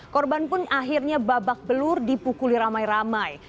korban pun akhirnya babak belur dipukuli ramai ramai